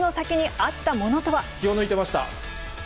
気を抜いてました。